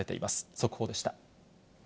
速報でした。